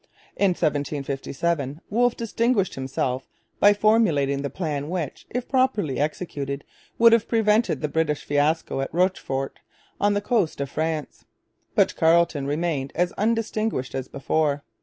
In 1757 Wolfe distinguished himself by formulating the plan which, if properly executed, would have prevented the British fiasco at Rochefort on the coast of France. But Carleton remained as undistinguished as before.